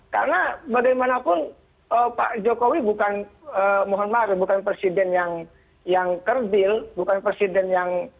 karena bagaimanapun pak jokowi bukan mohon maaf bukan presiden yang kerdil bukan presiden yang